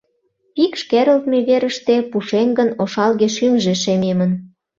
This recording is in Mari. Пикш керылтме верыште пушеҥгын ошалге шӱмжӧ шемемын.